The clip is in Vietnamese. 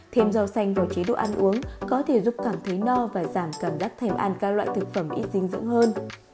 thêm rau xanh vào chế độ ăn uống có thể giúp cảm thấy no và giảm cảm đắt thêm ăn các loại thực phẩm ít dinh dưỡng hơn